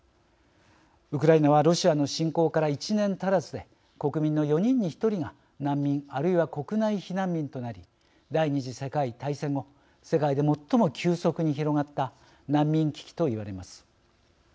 ウクライナはロシアの侵攻から１年足らずで国民の４人に１人が難民あるいは国内避難民となり第二次世界大戦後世界で最も急速に広がった難民危機と言われます。